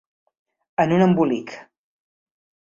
En un embolic